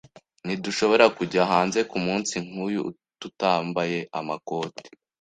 Ntidushobora kujya hanze kumunsi nkuyu tutambaye amakoti.